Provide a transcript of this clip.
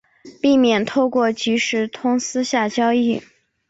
避免透过即时通私下交易